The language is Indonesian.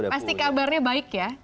pasti kabarnya baik ya